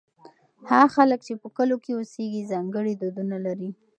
هغه خلک چې په کلو کې اوسېږي ځانګړي دودونه لري.